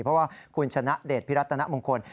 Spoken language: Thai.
เพราะว่าคุณชนะเดชพิรัตนมงคล